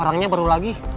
orangnya baru lagi